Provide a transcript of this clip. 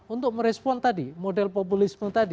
untuk merespon tadi model populisme tadi